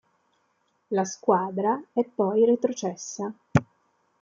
La squadra è poi retrocessa.